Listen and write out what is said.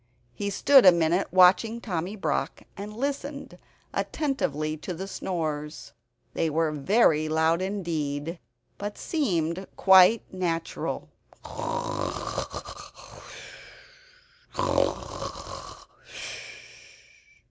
He stood a minute watching Tommy Brock and listening attentively to the snores. They were very loud indeed, but seemed quite natural.